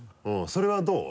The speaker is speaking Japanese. それはどう？